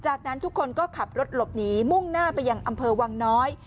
จากนั้นทุกคนก็ขับรถหลบหนีมุ่งหน้าไปยังอำเภอวังน้อย